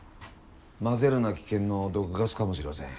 混ぜるな危険の毒ガスかもしれません。